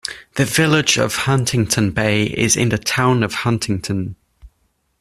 The Village of Huntington Bay is in the town of Huntington.